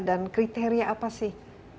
dan kriteria apa sih